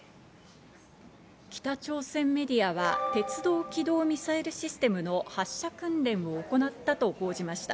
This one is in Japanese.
北朝鮮メディアは鉄道軌道ミサイルシステムの発射訓練を行ったと報じました。